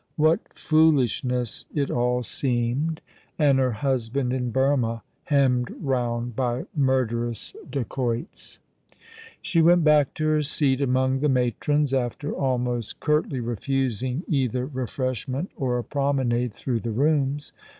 What foolishness it all seemed, ^' The Child cheek bhishing Scarlett 63 And her husband in Burmah, hemmed round by murderous dacoits! She went back to her seat among the matrons, after almost curtly refusing either refreshment or a promenade through the rooms. Mrs.